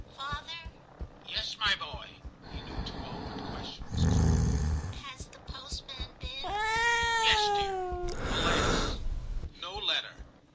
XIII TIM 307 * Father/ * Yes, my boy/ He knew too well what question was coming. * Has the postman been ?' *Yes, dear/ Alas! no letter.